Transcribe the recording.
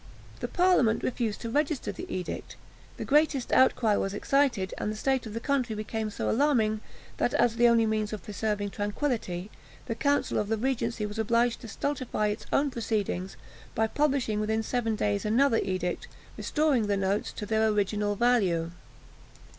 The parliament refused to register the edict the greatest outcry was excited, and the state of the country became so alarming, that, as the only means of preserving tranquillity, the council of the regency was obliged to stultify its own proceedings, by publishing within seven days another edict, restoring the notes to their original value.